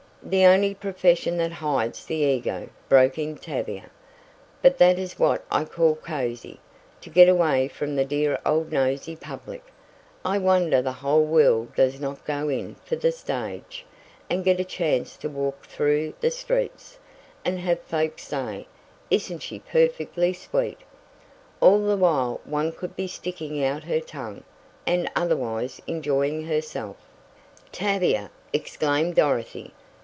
"The only profession that hides the ego," broke in Tavia. "Now that is what I call cozy, to get away from the dear old nosey public. I wonder the whole world does not go in for the stage, and get a chance to walk through the streets, and have folks say, 'Isn't she perfectly sweet!' All the while one could be sticking out her tongue, and otherwise enjoying herself " "Tavia!" exclaimed Dorothy.